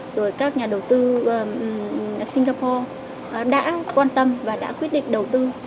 rồi các nhà đầu tư singapore đã quan tâm và đã quyết định đầu tư